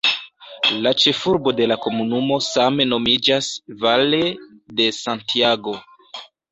La ĉefurbo de la komunumo same nomiĝas "Valle de Santiago".